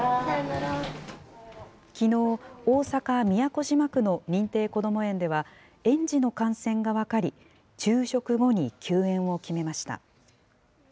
きのう、大阪・都島区の認定こども園では、園児の感染が分かり、昼食後に休園を決めました。